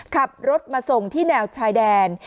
ขับรถมาส่งที่แนวชายแดน